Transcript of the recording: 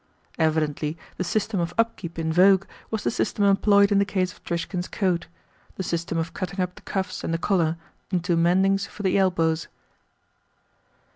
Evidently the system of upkeep in vogue was the system employed in the case of Trishkin's coat the system of cutting up the cuffs and the collar into mendings for the elbows.